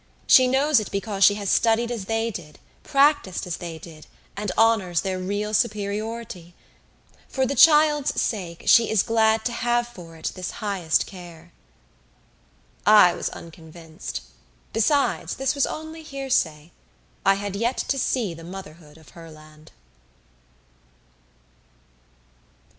She knows it because she has studied as they did, practiced as they did, and honors their real superiority. For the child's sake, she is glad to have for it this highest care." I was unconvinced. Besides, this was only hearsay; I had yet to see the motherhood of Herland.